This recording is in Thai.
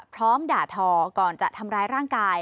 ด่าทอก่อนจะทำร้ายร่างกาย